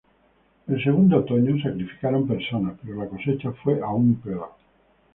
El segundo otoño, sacrificaron personas, pero la cosecha fue aún peor.